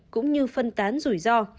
cũng như phân tán rủi ro